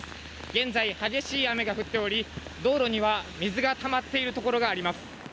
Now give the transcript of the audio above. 現在、激しい雨が降っており道路には水がたまっているところがあります。